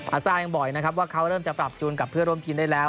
ซ่ายังบอกอีกนะครับว่าเขาเริ่มจะปรับจูนกับเพื่อนร่วมทีมได้แล้ว